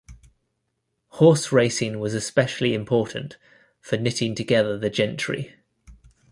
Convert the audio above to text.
Horse racing was especially important for knitting together the gentry.